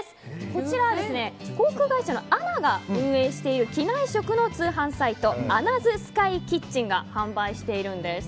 こちらは航空会社のＡＮＡが運営している機内食の通販サイトＡＮＡ’ｓＳｋｙＫｉｔｃｈｅｎが販売しているんです。